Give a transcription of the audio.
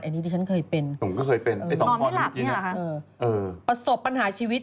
อันนี้ที่ฉันเคยเป็นนอนไม่หลับนะครับเออตอบปัญหาชีวิต